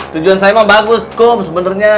tujuan saya emang bagus kum sebenarnya